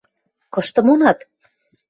– Кышты монат?